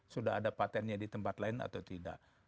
sudah ada patentnya di tempat lain atau tidak